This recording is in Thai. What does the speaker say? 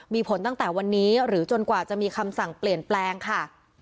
มีผลตั้งแต่วันนี้หรือจนกว่าจะมีคำสั่งเปลี่ยนแปลงค่ะ